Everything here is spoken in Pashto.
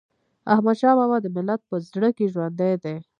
احمدشاه بابا د ملت په زړه کي ژوندی دی.